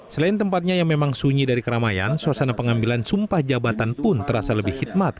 selain tempatnya yang memang sunyi dari keramaian suasana pengambilan sumpah jabatan pun terasa lebih khidmat